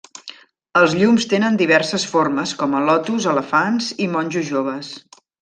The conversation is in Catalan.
Els llums tenen diverses formes com a lotus, elefants i monjos joves.